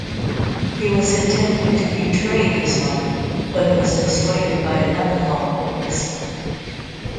He was intending to betray Ismail but was dissuaded by another follower of Ismail.